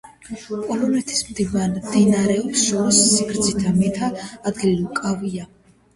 პოლონეთის მდინარეებს შორის სიგრძით მეათე ადგილი უკავია.